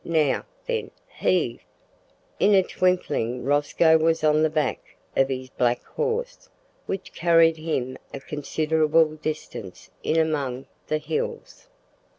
Now, then, heave!" In a twinkling Rosco was on the back of his "black horse," which carried him a considerable distance in among the hills.